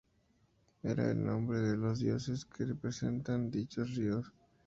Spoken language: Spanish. Era el nombre de los dioses que representaban dichos ríos.